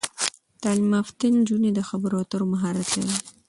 تعلیم یافته نجونې د خبرو اترو مهارت لري.